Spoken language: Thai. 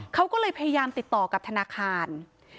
เขาก็เลยพยายามติดต่อกับธนาคาร